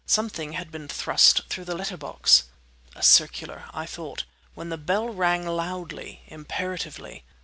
Something had been thrust through the letter box. "A circular," I thought, when the bell rang loudly, imperatively.